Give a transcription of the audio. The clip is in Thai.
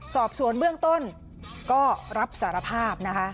สอบสวนเบื้องต้นก็รับสารภาพนะคะ